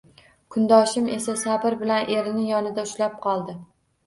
Kundoshim esa sabr bilan erini yonida ushlab qoldi